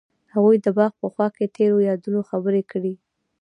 هغوی د باغ په خوا کې تیرو یادونو خبرې کړې.